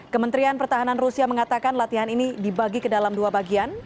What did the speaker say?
kementerian pertahanan rusia mengatakan latihan ini dibagi ke dalam dua bagian